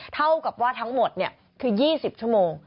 เท่ากับว่าทั้งหมดคือ๒๐ชั่วโมง